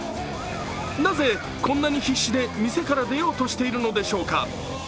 なぜ、こんなに必死で店から出ようとしているのでしょうか。